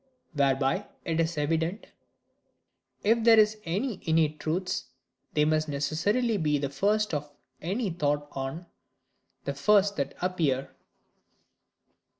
Whereby it is evident, if there be any innate truths, they must necessarily be the first of any thought on; the first that appear.